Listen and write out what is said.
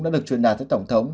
đã được truyền đạt tới tổng thống